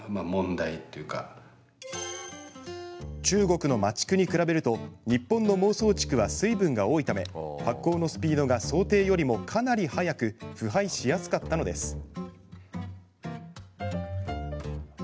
中国の麻竹に比べると日本の孟宗竹は水分が多いため発酵のスピードが想定よりもかなり早く腐敗しやすかったのです。